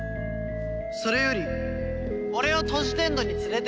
それより俺をトジテンドに連れてってくれよ。